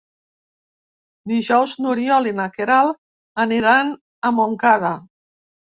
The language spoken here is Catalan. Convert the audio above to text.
Dijous n'Oriol i na Queralt aniran a Montcada.